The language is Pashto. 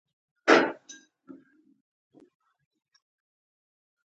مفعول د فعل سره تړلې اړیکه ښيي.